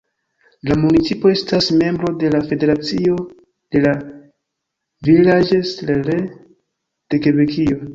La municipo estas membro de la Federacio de la "Villages-relais" de Kebekio.